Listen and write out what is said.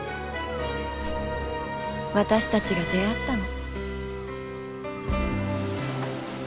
私たちが出会ったの。